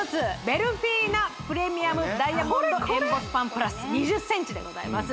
ベルフィーナプレミアムダイヤモンドエンボスパンプラス２０ｃｍでございます